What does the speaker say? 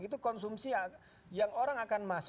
itu konsumsi yang orang akan masuk